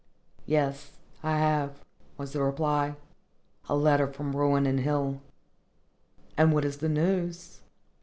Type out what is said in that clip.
"Yes. I have," was the reply, "a letter from Bruin & Hill." "And what is the news?"